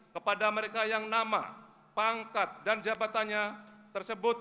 kepada mereka yang nama pangkat dan jabatannya tersebut